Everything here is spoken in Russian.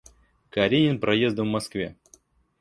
Каренин проездом в Москве.